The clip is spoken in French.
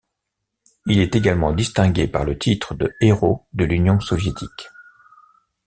Il est également distingué par le titre de héros de l'Union soviétique.